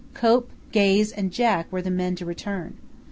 Cope, Gaze, and Jack were the men to return.